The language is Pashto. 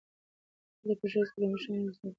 ولې په ښوونځي کې د ماشومانو زړونه نه ماتیږي؟